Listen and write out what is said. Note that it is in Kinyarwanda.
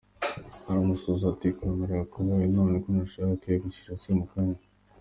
aramusuhuza ati Komera Yakobo we! None ko nashakaga kwiyogoshesha se mukanya,.